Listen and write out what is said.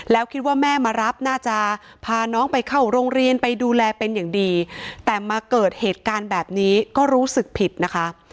แล้วคิดว่าแม่มารับน่าจะพาน้องไปเข้าโรงเรียนไปดูแลเป็นอย่างดีแต่มาเกิดเหตุการณ์แบบนี้ก็รู้สึกผิดนะคะ